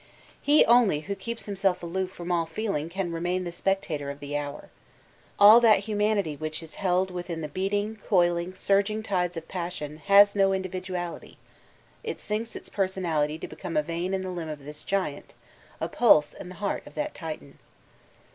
He only who keeps himself aloof from all feeling can remain the spectator of the hour. All that humanity which is held within the beating, coiling, surging tides of passion, has no individuality; it sinks its person ality to become a vein in the limb of this giant, a pulse in the heart of that Titan.